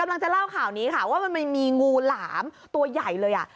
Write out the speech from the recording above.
กำลังจะเล่าข่าวนี้ค่ะว่ามันมีงูหลามตัวใหญ่เลยอ่ะ